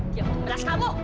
dia yang membalas kamu